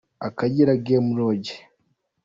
–« Akagera Game Lodge ».